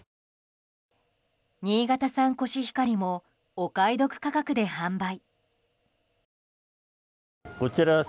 新潟産コシヒカリもお買い得価格で販売。